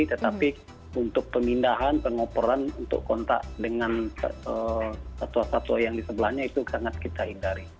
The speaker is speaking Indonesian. tetapi untuk pemindahan pengoporan untuk kontak dengan satwa satwa yang di sebelahnya itu sangat kita hindari